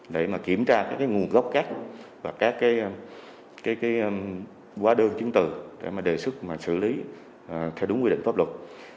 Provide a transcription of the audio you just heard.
để kiểm tra các nguồn gốc cát và các quá đơn chứng từ để đề xuất xử lý theo đúng quy định pháp luật